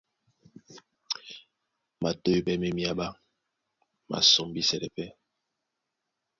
Matôy pɛ́ má e myaɓá, má sɔ́mbísɛlɛ pɛ́.